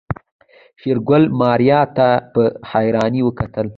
شېرګل ماريا ته په حيرانۍ وکتل.